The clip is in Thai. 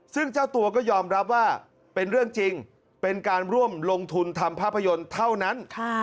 ซึ่งเจ้าตัวก็ยอมรับว่าเป็นเรื่องจริงเป็นการร่วมลงทุนทำภาพยนตร์เท่านั้น